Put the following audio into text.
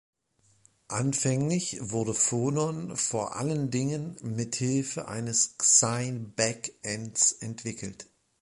Anfänglich wurde Phonon vor allen Dingen mit Hilfe eines Xine-Back-Ends entwickelt.